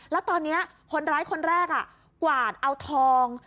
แล้วตอนนี้คนร้ายคนแรกกวาดเอาทอง